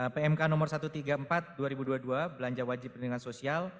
pmk no satu ratus tiga puluh empat dua ribu dua puluh dua belanja wajib perlindungan sosial